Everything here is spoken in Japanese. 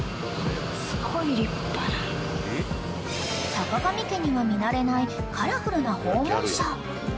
［さかがみ家には見慣れないカラフルな訪問者］